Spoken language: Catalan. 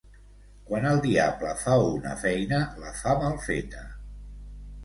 Quan el diable fa una feina la fa mal feta.